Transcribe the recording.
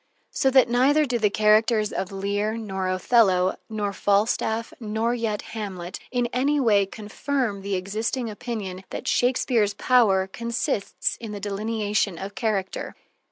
So that neither do the characters of Lear nor Othello nor Falstaff nor yet Hamlet in any way confirm the existing opinion that Shakespeare's power consists in the delineation of character.